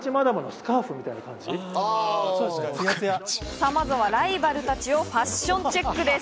さぁまずはライバルたちをファッションチェックです。